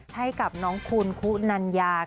ให้กับคุณขุนัญญา